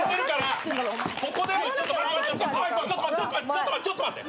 ちょっと待ってちょっと待って。